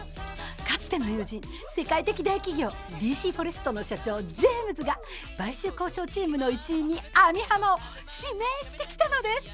かつての友人世界的大企業ＤＣフォレストの社長ジェームズが買収交渉チームの一員に網浜を指名してきたのです。